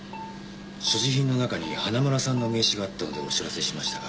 所持品の中に花村さんの名刺があったのでお知らせしましたが。